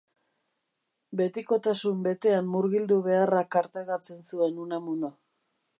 Betikotasun betean murgildu beharrak artegatzen zuen Unamuno.